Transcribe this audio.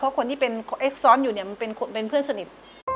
เพราะคนที่เป็นเอ็กซ์อยู่เนี่ยมันเป็นเพื่อนสนิท